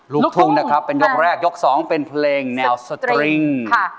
ลูกทุ่งนะครับเป็นยกแรกยก๒เป็นเพลงแนวสตริง